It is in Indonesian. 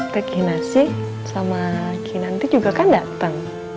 teh kinasi sama kinanti juga kan dateng